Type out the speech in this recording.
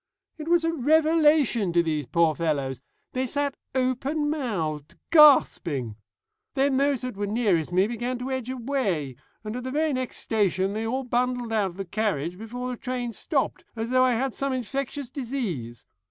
It was a revelation to these poor fellows. They sat open mouthed, gasping. Then those that were nearest me began to edge away, and at the very next station they all bundled out of the carriage before the train stopped, as though I had some infectious disease.